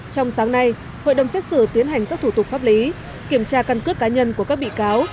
trong sáng nay hội đồng xét xử tiến hành các thủ tục pháp lý kiểm tra căn cước cá nhân của các bị cáo